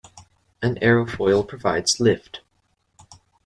An aerofoil provides lift